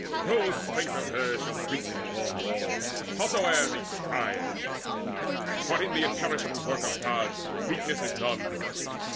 No strength of theirs Shall breach the long walls, howsoe'er they strive, For in the imperishable work of Gods Weakness is none.